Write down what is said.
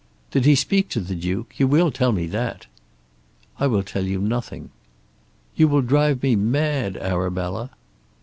"Did he speak to the Duke? You will tell me that." "I will tell you nothing." "You will drive me mad, Arabella."